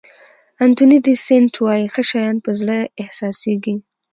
انتوني دي سېنټ وایي ښه شیان په زړه احساسېږي.